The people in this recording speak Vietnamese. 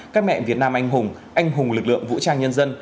các mẹ việt nam anh hùng anh hùng lực lượng vũ trang nhân dân